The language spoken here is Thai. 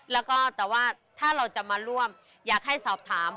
แล้วก็แต่ว่าถ้าเราจะมาร่วมอยากให้สอบถาม